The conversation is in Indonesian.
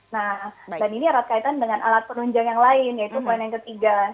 nah dan ini erat kaitan dengan alat penunjang yang lain yaitu poin yang ketiga